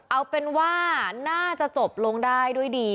เอาเป็นว่าน่าจะจบลงได้ด้วยดี